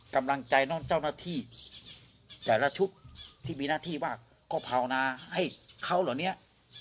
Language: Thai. กำลังใจเจ้าหน้าที่ใจรัชชุบที่มีหน้าที่ว่าก็พาวนาให้เขาหรือเนี้ย